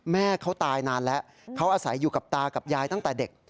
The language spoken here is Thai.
แม่เขาตายนานแล้วเขาอาศัยอยู่กับตากับยายตั้งแต่เด็ก